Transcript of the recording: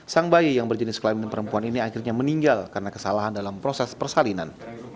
sang bayi yang berjenis kelamin perempuan ini akhirnya meninggal karena kesalahan dalam proses persalinan